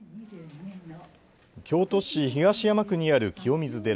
京都市東山区にある清水寺。